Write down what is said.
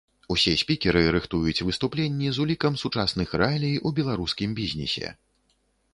Усе спікеры рыхтуюць выступленні з улікам сучасных рэалій у беларускім бізнесе.